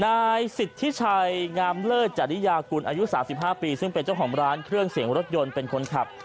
นายสิทธิชัยงามเลิศจริยากุลอายุ๓๕ปีซึ่งเป็นเจ้าของร้านเครื่องเสียงรถยนต์เป็นคนขับ